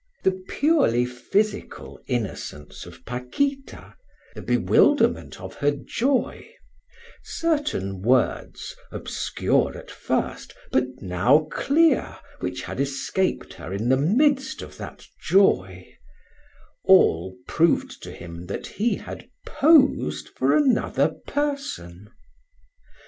The purely physical innocence of Paquita, the bewilderment of her joy, certain words, obscure at first, but now clear, which had escaped her in the midst of that joy, all proved to him that he had posed for another person.